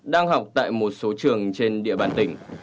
đang học tại một số trường trên địa bàn tỉnh